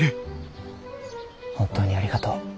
本当にありがとう。